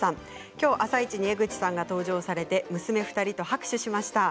きょうは「あさイチ」に江口さんが登場されて娘２人と拍手をしました。